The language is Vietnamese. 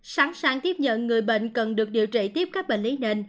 sẵn sàng tiếp nhận người bệnh cần được điều trị tiếp các bệnh lý nền